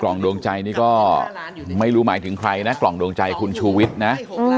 กล่องดวงใจนี่ก็ไม่รู้หมายถึงใครนะกล่องดงใจของคุณชุวิตนะ